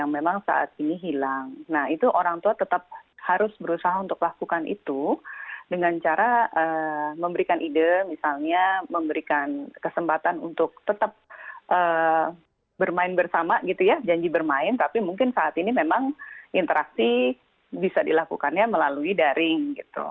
nah itu orang tua tetap harus berusaha untuk lakukan itu dengan cara memberikan ide misalnya memberikan kesempatan untuk tetap bermain bersama gitu ya janji bermain tapi mungkin saat ini memang interaksi bisa dilakukannya melalui daring gitu